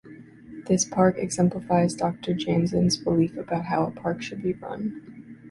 This park exemplifies Doctor Janzen's beliefs about how a park should be run.